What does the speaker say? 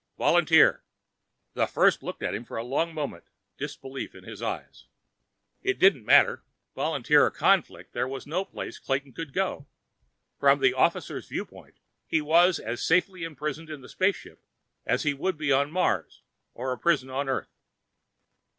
"Volunteer." The First looked at him for a long moment, disbelief in his eyes. It didn't matter. Volunteer or convict, there was no place Clayton could go. From the officer's viewpoint, he was as safely imprisoned in the spaceship as he would be on Mars or a prison on Earth.